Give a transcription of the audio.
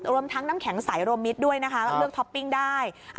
รวมทั้งน้ำแข็งใสรวมมิตรด้วยนะคะเลือกท็อปปิ้งได้